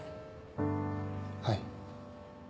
はい。